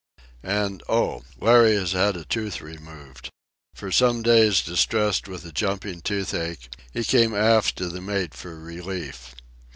And—oh!—Larry has had a tooth removed. For some days distressed with a jumping toothache, he came aft to the mate for relief.